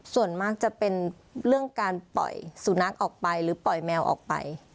ส่วนมากจะเป็นเรื่องการปล่อยสุนัขออกไปหรือปล่อยแมวออกไป